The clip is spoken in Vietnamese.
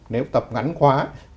nếu tập ngắn quá